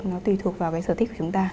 nó tùy thuộc vào cái sở thích của chúng ta